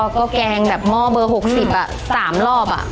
ก็แกงแบบหม้อเบอร์๖๐อ่ะ๓รอบอ่ะ